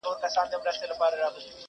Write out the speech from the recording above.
ورور د وجدان جګړه کوي دننه.